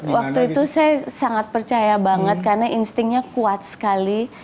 waktu itu saya sangat percaya banget karena instingnya kuat sekali